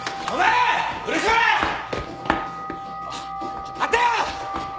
ちょっと待てよ！